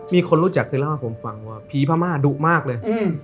มีคนรู้จักคือพี่พระม่าดุมากเลย